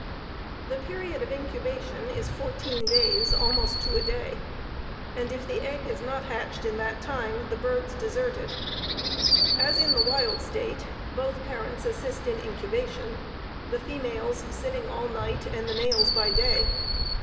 The period of incubation is fourteen days, almost to a day, and, if the egg is not hatched in that time, the birds desert it. As in the wild state, both parents assist in incubation, the females sitting all night, and the males by day.